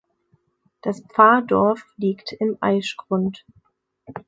Das Pfarrdorf liegt im Aischgrund.